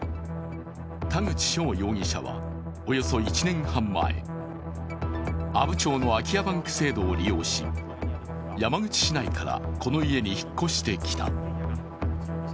田口翔容疑者はおよそ１年半前阿武町の空き家バンク制度を利用し、山口市内からこの家に引っ越してきた。